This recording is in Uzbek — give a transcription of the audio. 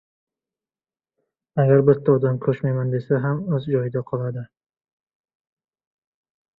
Shavkat Mirziyoyev: "Agar bitta odam ko‘chmayman desa ham, o‘z joyida qoladi"